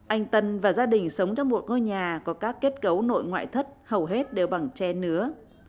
anh tân và gia đình sống trong một ngôi nhà có các kết cấu nội ngoại thất hầu hết đều bằng tre nứa